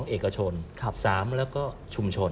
เอกชน๓แล้วก็ชุมชน